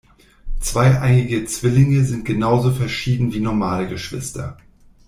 Zweieiige Zwillinge sind genauso verschieden wie normale Geschwister.